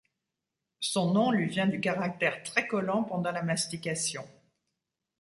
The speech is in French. Son nom lui vient du caractère très collant pendant la mastication.